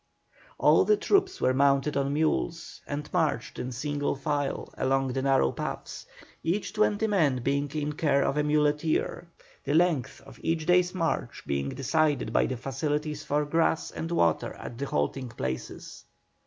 All the troops were mounted on mules, and marched in single file along the narrow paths, each twenty men being in care of a muleteer, the length of each day's march being decided by the facilities for grass and water at the halting places.